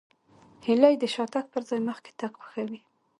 هیلۍ د شاتګ پر ځای مخکې تګ خوښوي